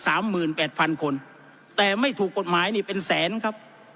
หมื่นแปดพันคนแต่ไม่ถูกกฎหมายนี่เป็นแสนครับ